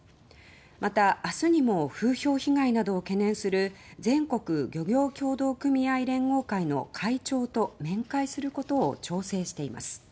また明日にも風評被害などを懸念する全国漁業協同組合連合会の会長と面会することを調整しています。